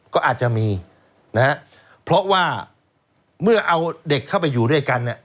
ก็อาจจะมีนะฮะเพราะว่าเมื่อเอาเด็กเข้าไปอยู่ด้วยกันเนี่ย